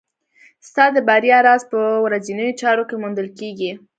ستا د بریا راز په ورځنیو چارو کې موندل کېږي.